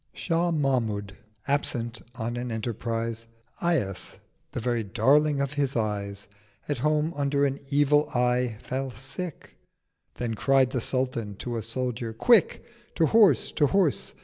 Shah Mahmud, absent on an Enterprise, Ayas, the very Darling of his eyes, At home under an Evil Eye fell sick, Then cried the Sultan to a soldier 'Quick! 650 To Horse! to Horse!